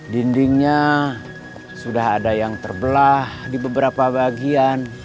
dindingnya sudah ada yang terbelah di beberapa bagian